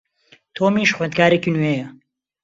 تۆمیش خوێندکارێکی نوێیە.